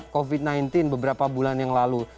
covid sembilan belas beberapa bulan yang lalu